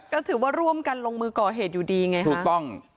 ก็ถือว่าร่วมกันลงมือก่อเหตุอยู่ดีไงถูกต้อง